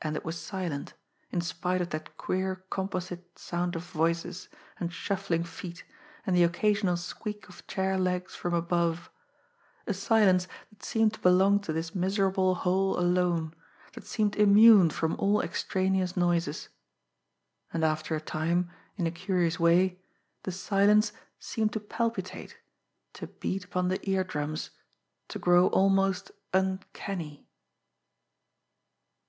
And it was silent, in spite of that queer composite sound of voices, and shuffling feet, and the occasional squeak of chair legs from above a silence that seemed to belong to this miserable hole alone, that seemed immune from all extraneous noises. And after a time, in a curious way, the silence seemed to palpitate, to beat upon the ear drums, to grow almost uncanny.